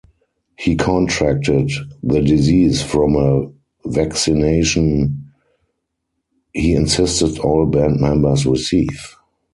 He contracted the disease from a vaccination he insisted all band members receive.